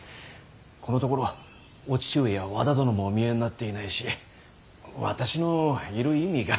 このところお父上や和田殿もお見えになっていないし私のいる意味が。